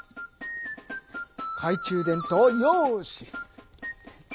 懐中電灯よし！